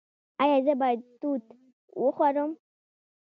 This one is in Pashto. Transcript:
ایا زه باید توت وخورم؟